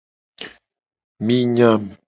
Mi nyam.